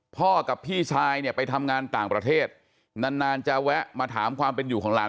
กับพี่ชายเนี่ยไปทำงานต่างประเทศนานจะแวะมาถามความเป็นอยู่ของหลาน